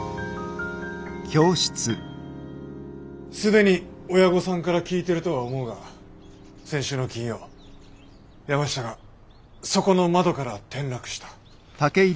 既に親御さんから聞いてるとは思うが先週の金曜山下がそこの窓から転落した。